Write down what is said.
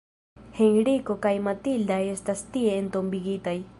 Henriko kaj Matilda estas tie entombigitaj.